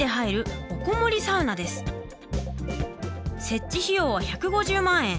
設置費用は１５０万円。